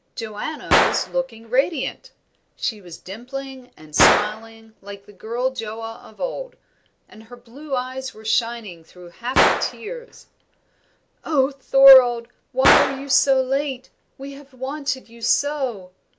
Joanna was looking radiant. She was dimpling and smiling like the girl Joa of old, and her blue eyes were shining through happy tears. "Oh, Thorold, why are you so late. We have wanted you so!"